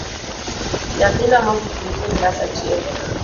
Nyathina mogik nitie e klas achiel